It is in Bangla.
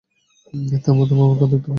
থামো, আমাকে অর্ধেক দাও টাকা।